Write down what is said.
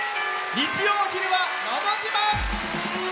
日曜お昼は「のど自慢」。